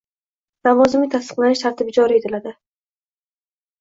lavozimga tasdiqlanishi tartibi joriy etiladi.